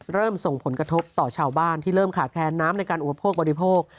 ส่งผลกระทบต่อชาวบ้านที่เริ่มขาดแคลนน้ำในการอุปโภคบริโภค